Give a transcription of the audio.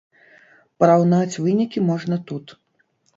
Параўнаць вынікі можна тут.